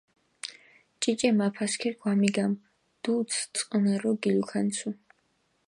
ჭიჭე მაფასქირქ ვამიგამჷ, დუდს წყჷნარო გილუქანცუ.